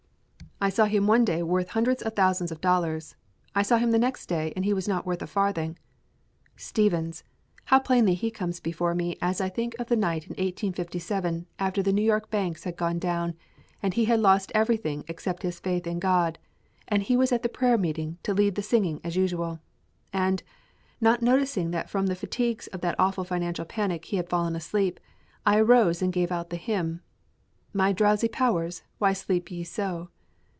I saw him one day worth hundreds of thousands of dollars. I saw him the next day and he was not worth a farthing. Stevens! How plainly he comes before me as I think of the night in 1857 after the New York banks had gone down, and he had lost everything except his faith in God, and he was at the prayer meeting to lead the singing as usual! And, not noticing that from the fatigues of that awful financial panic he had fallen asleep, I arose and gave out the hymn, "My drowsy powers, why sleep ye so?"